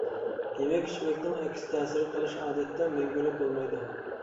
يېمەك-ئىچمەكنىڭ ئەكس تەسىر قىلىشى ئادەتتە مەڭگۈلۈك بولمايدۇ.